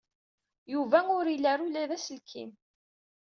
Yuba ur ili ara ula d aselkim.